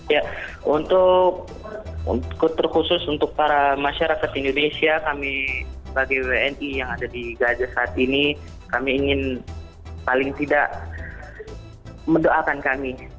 ya untuk terkhusus untuk para masyarakat indonesia kami sebagai wni yang ada di gaza saat ini kami ingin paling tidak mendoakan kami